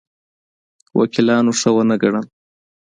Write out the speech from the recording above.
وکیلانو ښه ونه ګڼل.